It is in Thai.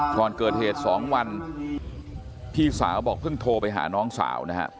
ก่อนเกิดเหตุ๒วันพี่สาวบอกเพิ่งโทรไปหาน้องสาวนะครับ